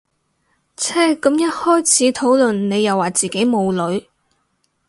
唓咁一開始討論你又話自己冇女